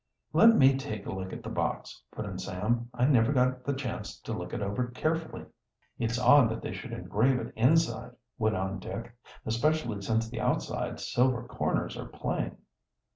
"Let me take a look at the box," put in Sam. "I never got the chance to look it over carefully." "It's odd that they should engrave it inside," went on Dick. "Especially since the outside silver corners are plain."